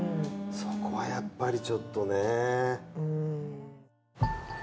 そこはやっぱりちょっとね。